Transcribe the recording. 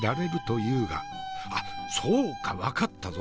あっそうか分かったぞ！